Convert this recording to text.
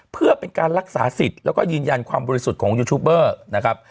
เพื่อเป็นการรักษาสิทธิ์แล้วก็ยืนยันความบริสุทธิ์ของยูทูบเบอร์นะครับ